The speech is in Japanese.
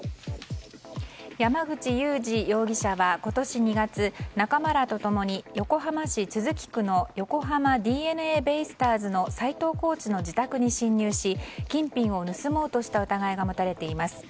山口祐司容疑者は今年２月仲間らと共に横浜市都筑区の横浜ＤｅＮＡベイスターズの斎藤コーチの自宅に侵入し金品を盗もうとした疑いが持たれています。